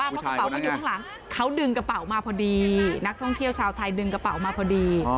เพราะกระเป๋ามันอยู่ข้างหลังเขาดึงกระเป๋ามาพอดีนักท่องเที่ยวชาวไทยดึงกระเป๋ามาพอดี